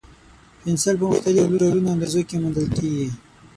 پنسل په مختلفو ډولونو او اندازو کې موندل کېږي.